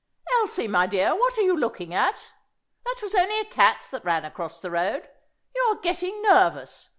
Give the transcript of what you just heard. "Elsie, my dear, what are you looking at? That was only a cat that ran across the road. You are getting nervous.